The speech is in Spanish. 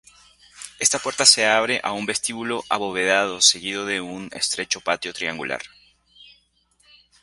Esta puerta se abre a un vestíbulo abovedado seguido de un estrecho patio triangular.